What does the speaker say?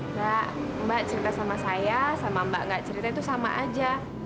mbak mbak cerita sama saya sama mbak nggak cerita itu sama aja